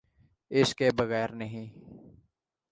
اس کے بغیر نہیں۔